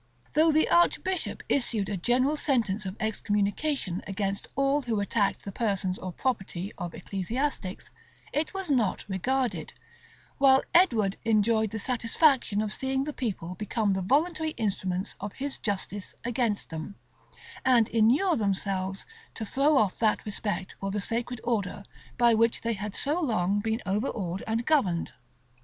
Though the archbishop issued a general sentence of excommunication against all who attacked the persons or property of ecclesiastics, it was not regarded; while Edward enjoyed the satisfaction of seeing the people become the voluntary instruments of his justice against them, and inure themselves to throw off that respect for the sacred order by which they had so long been overawed and governed.